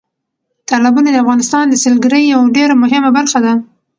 تالابونه د افغانستان د سیلګرۍ یوه ډېره مهمه برخه ده.